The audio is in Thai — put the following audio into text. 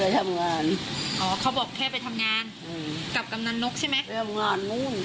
ตอนคุกขุมนอนอยู่นู้น